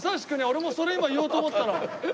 俺もそれ今言おうと思ったの。